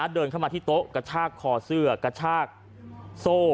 เดินเข้ามาที่โต๊ะกระชากคอเสื้อกระชากโซ่